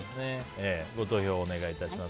ご投票をお願いします。